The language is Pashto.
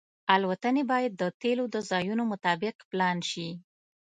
الوتنې باید د تیلو د ځایونو مطابق پلان شي